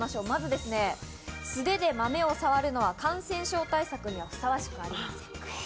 まず素手で豆をさわるのは感染症対策にふさわしくない。